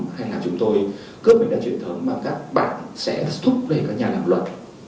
hay là chúng tôi cướp mình ra truyền thống mà các bạn sẽ thúc đẩy các nhà làm luật